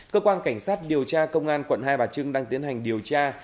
cơ quan cảnh sát điều tra công an quận hai bà trưng đang tiến hành điều tra